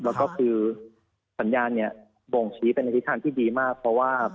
และก็คือสัญญาเนี่ยโบ่งชี้เป็นอัติธาสตร์ที่ดีมากเพราะว่า